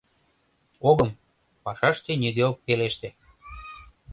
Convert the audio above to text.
— Огым, — пашаште нигӧ ок пелеште.